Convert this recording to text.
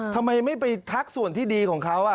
ทำไมไม่ไปทักส่วนที่ดีของเขา